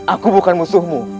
aku bukan musuhmu